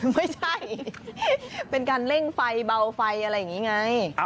ไม่ใช่เป็นการเร่งไฟเบาไฟอะไรอย่างนี้ไง